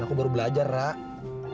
kan aku baru belajar rang